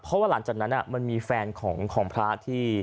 เพราะว่าหลังจากนั้นมันมีแฟนของพระที่